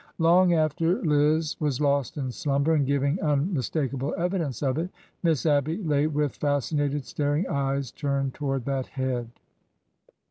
Long after Liz was lost in slumber, and giving unmis takable evidence of it, Miss Abby lay with fascinated, staring eyes turned toward that head.